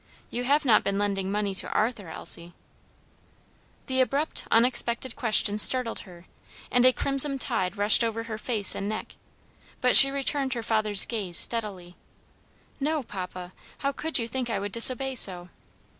"You have not been lending money to Arthur, Elsie?" The abrupt, unexpected question startled her, and a crimson tide rushed over her face and neck; but she returned her father's gaze steadily: "No, papa; how could you think I would disobey so?"